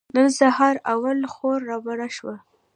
نن سهار اوله خور رابره شوه.